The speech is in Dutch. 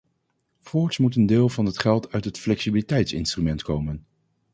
Voorts moet een deel van het geld uit het flexibiliteitsinstrument komen.